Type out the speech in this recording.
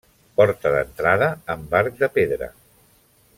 Porta d'entrada amb arc de pedra.